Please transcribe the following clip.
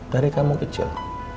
dari kamu kecil